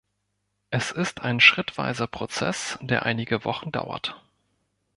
Es ist ein schrittweiser Prozess, der einige Wochen dauert.